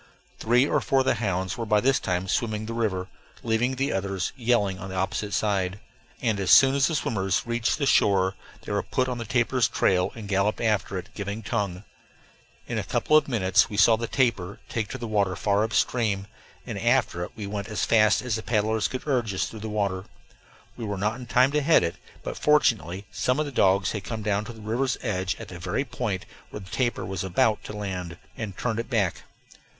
Three or four of the hounds were by this time swimming the river, leaving the others yelling on the opposite side; and as soon as the swimmers reached the shore they were put on the tapir's trail and galloped after it, giving tongue. In a couple of minutes we saw the tapir take to the water far up stream, and after it we went as fast as the paddles could urge us through the water. We were not in time to head it, but fortunately some of the dogs had come down to the river's edge at the very point where the tapir was about to land, and turned it back.